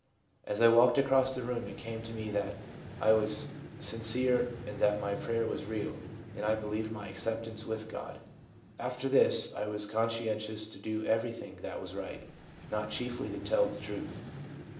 As I walked across the room it came to me that I was sincere and that my prayer was real, and I believed my acceptance with God. ... After this I was con scientious to do everything that was right — not chiefly to tell the truth.